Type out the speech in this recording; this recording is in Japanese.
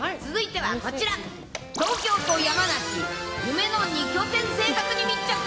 続いてはこちら、東京と山梨、夢の２拠点生活に密着。